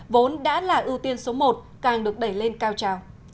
vốn đã là ưu tiên số một càng được đẩy lên cao trào